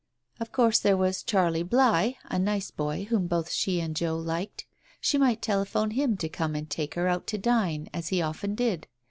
Of course there was Charlie Bligh, a nice boy whom both she and Joe liked ; she might telephone him to come and take her out to dine, as he often did.